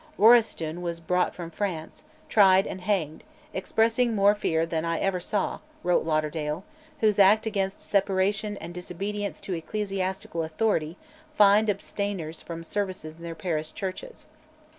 Waristoun was brought from France, tried, and hanged, "expressing more fear than I ever saw," wrote Lauderdale, whose Act "against Separation and Disobedience to Ecclesiastical Authority" fined abstainers from services in their parish churches.